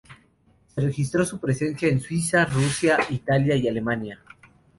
Se registró su presencia en Suiza, Rusia, Italia y Alemania.